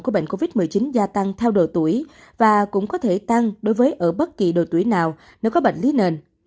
của bệnh covid một mươi chín gia tăng theo độ tuổi và cũng có thể tăng đối với ở bất kỳ độ tuổi nào nếu có bệnh lý nền